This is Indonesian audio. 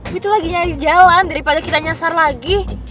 gue tuh lagi nyari jalan daripada kita nyasar lagi